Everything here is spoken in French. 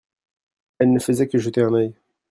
elle ne faisait que jeter un œil.